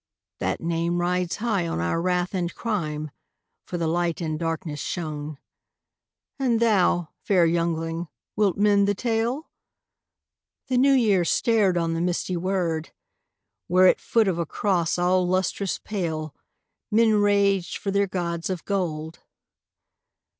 " That name rides high on our wrath and crime, For the Light in darkness shone. " And thou, fair youngling, wilt mend the tale? " The New Year stared on the misty wold, Where at foot of a cross all lustrous pale Men raged for their gods of gold.